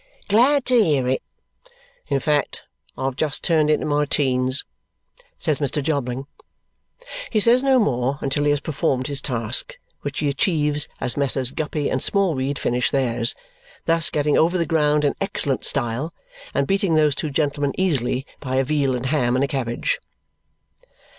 "Glad to hear it." "In fact, I have just turned into my teens," says Mr. Jobling. He says no more until he has performed his task, which he achieves as Messrs. Guppy and Smallweed finish theirs, thus getting over the ground in excellent style and beating those two gentlemen easily by a veal and ham and a cabbage.